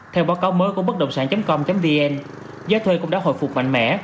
theo báo cáo mới của bất động sản com vn giá thuê cũng đã hồi phục mạnh mẽ